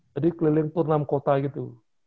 jadi keliling turnam kota gitu